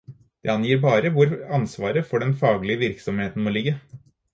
Det angir bare hvor ansvaret for den faglige virksomheten må ligge.